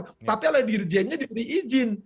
tapi oleh dirijennya diberi izin